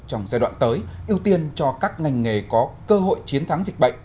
trong giai đoạn tới ưu tiên cho các ngành nghề có cơ hội chiến thắng dịch bệnh